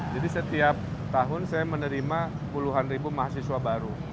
jadi setiap tahun saya menerima puluhan ribu mahasiswa baru